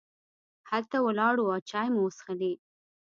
هلته ولاړو او چای مو وڅښلې.